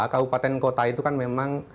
kabupaten kota itu kan memang